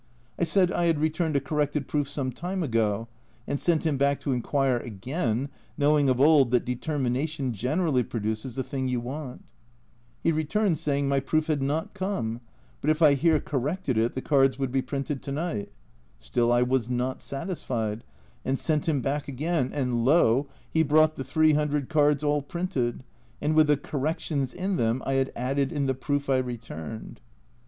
I said I had returned a corrected proof some time ago, and sent him back to inquire again (knowing of old that determination generally produces the thing you want) ; he returned saying my proof had not come, but if I here corrected it the cards would be printed to night ; still I was not satisfied, and sent him back again, and lo, he brought the 300 cards all printed, and with the corrections in them I Jiad added in the proof I returned.